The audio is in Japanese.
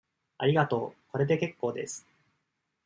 ありがとう。これでけっこうです。